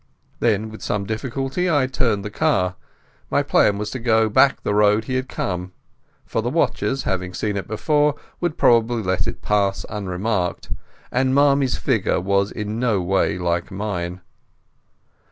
Then with some difficulty I turned the car. My plan was to go back the road he had come, for the watchers, having seen it before, would probably let it pass unremarked, and Marmie's figure was in no way like mine.